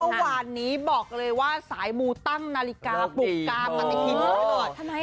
เมื่อวานนี้บอกเลยว่าสายมูตั้งนาฬิกาปลุกกาปฏิทินเอาไว้เลย